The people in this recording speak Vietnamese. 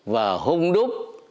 và hung đúc